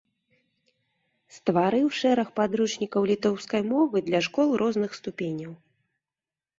Стварыў шэраг падручнікаў літоўскай мовы для школ розных ступеняў.